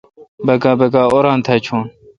بکا بکا اوران تھا چون